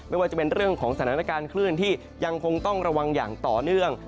ไม่ว่าจะเป็นเรื่องของสถานการณ์คลื่นที่ยังคงต้องระวังอย่างต่อเนื่อง